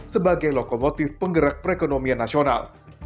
sebagai lokomotif penggerak perekonomian nasional